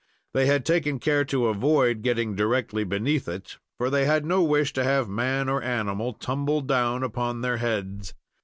They had taken care to avoid getting directly beneath it; for they had no wish to have man or animal tumble down upon their heads.